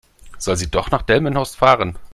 Soll sie doch nach Delmenhorst fahren?